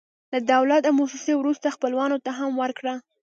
له دولت او موسسو وروسته، خپلوانو ته هم ورکړه.